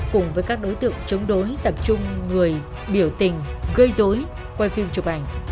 cùng với các đối tượng chống đối tập trung người biểu tình gây dối quay phim chụp ảnh